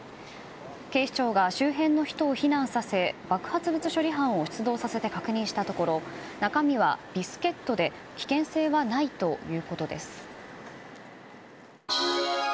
警視庁が周辺の人を避難させ爆発物処理班を出動させて確認したところ中身はビスケットで危険性はないということです。